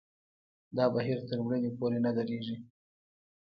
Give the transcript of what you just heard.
دا بهیر تر مړینې پورې نه درېږي.